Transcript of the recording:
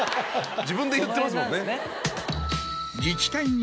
自分で言ってますもんね。